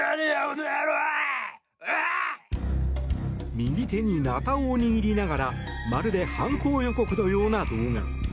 右手にナタを握りながらまるで犯行予告のような動画。